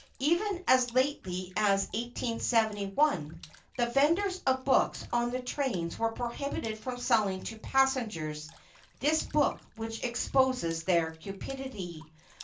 Even as lately as 1871, the venders of books on the trains were prohibited from selling to passengers this book which exposes their cupidity.